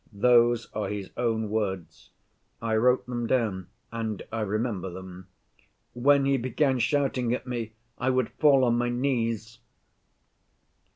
Those are his own words. I wrote them down and I remember them. 'When he began shouting at me, I would fall on my knees.